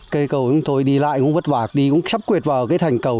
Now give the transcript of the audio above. cây cầu chúng tôi đi lại cũng vất vả đi cũng sắp quyệt vào cái thành cầu